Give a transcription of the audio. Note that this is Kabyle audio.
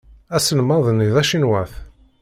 Aselmad-nni d acinwat.